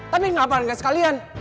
tapi kenapa gak sekalian